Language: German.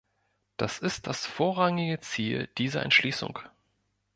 Das ist das vorrangige Ziel dieser Entschließung.